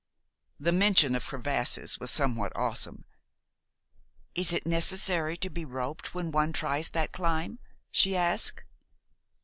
The mention of crevasses was somewhat awesome. "Is it necessary to be roped when one tries that climb?" she asked.